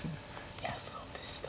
いやそうでしたね。